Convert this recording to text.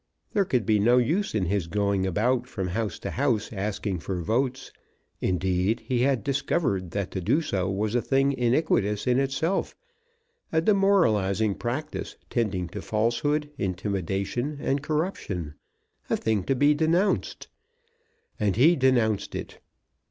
There could be no use in his going about from house to house asking for votes. Indeed, he had discovered that to do so was a thing iniquitous in itself, a demoralising practice tending to falsehood, intimidation, and corruption, a thing to be denounced. And he denounced it.